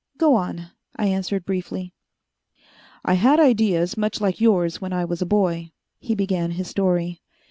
"Go on," I answered briefly. "I had ideas much like yours when I was a boy," he began his story.